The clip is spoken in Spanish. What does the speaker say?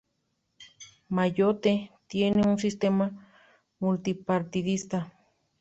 Mayotte tiene un sistema multipartidista.